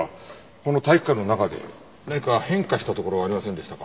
この体育館の中で何か変化したところはありませんでしたか？